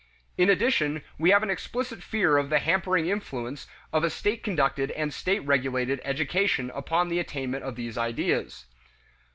In addition we have an explicit fear of the hampering influence of a state conducted and state regulated education upon the attainment of these ideas.